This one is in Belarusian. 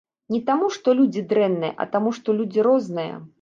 Не таму, што людзі дрэнныя, а таму, што людзі розныя.